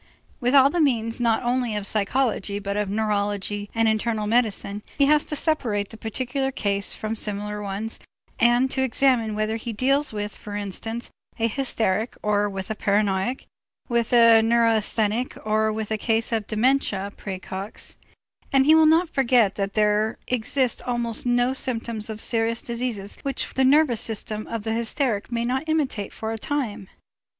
With all the means not only of psychology but of neurology and internal medicine, he has to separate the particular case from similar ones and to examine whether he deals with, for instance, a hysteric or with a paranoiac, with a neurasthenic or with a case of dementia præcox; and he will not forget that there exist almost no symptoms of serious diseases which the nervous system of the hysteric may not imitate for a time.